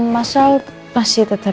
masal masih tetap